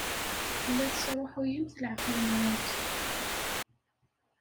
La tesṛuḥuyemt leɛqel-nwent.